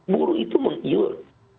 buru itu mengiur